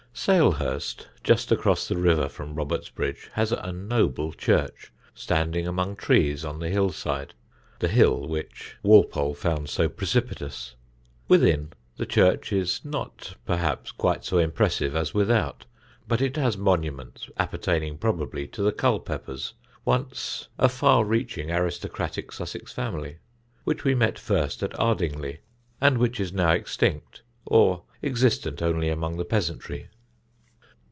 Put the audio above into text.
Salehurst, just across the river from Robertsbridge, has a noble church, standing among trees on the hill side the hill which Walpole found so precipitous. Within, the church is not perhaps quite so impressive as without, but it has monuments appertaining probably to the Culpepers, once a far reaching aristocratic Sussex family, which we met first at Ardingly, and which is now extinct or existent only among the peasantry.